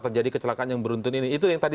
terjadi kecelakaan yang beruntun ini itu yang tadi